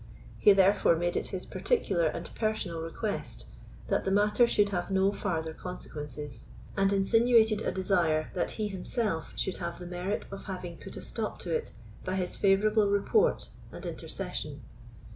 He therefore made it his particular and personal request that the matter should have no farther consequences, and insinuated a desire that he himself should have the merit of having put a stop to it by his favourable report and intercession.